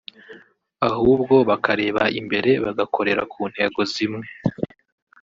ahubwo bakareba imbere bagakorera ku ntego zimwe